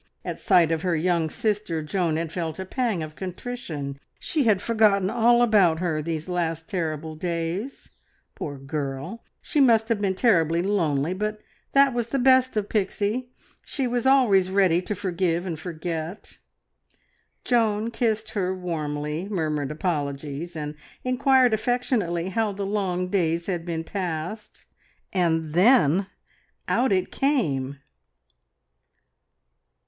At sight of her young sister Joan had felt a pang of contrition. She had forgotten all about her these last terrible days. Poor girl! She must have been terribly lonely, but that was the best of Pixie she was always ready to forgive and forget. Joan kissed her warmly, murmured apologies, and inquired affectionately how the long days had been passed. And then out it came!